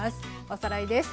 おさらいです。